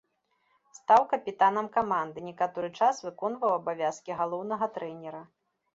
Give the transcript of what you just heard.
Стаў капітанам каманды, некаторы час выконваў абавязкі галоўнага трэнера.